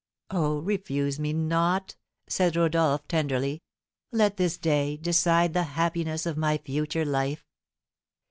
"Oh, refuse me not," said Rodolph, tenderly; "let this day decide the happiness of my future life."